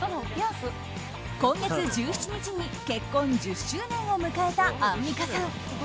今月１７日に結婚１０周年を迎えたアンミカさん。